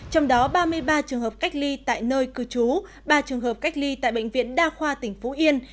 trong đó ba mươi ba trường hợp cách ly tại nơi cư trú ba trường hợp cách ly tại bệnh viện đa khoa tỉnh phú yên